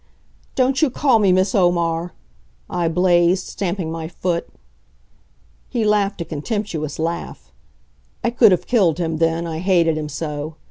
"Don't you call me Miss Omar!" I blazed, stamping my foot. He laughed a contemptuous laugh. I could have killed him then, I hated him so.